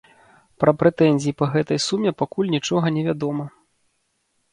Пра прэтэнзіі па гэтай суме пакуль нічога невядома.